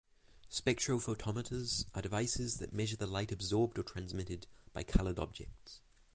Spectrophotometers are devices that measure the light absorbed or transmitted by colored objects.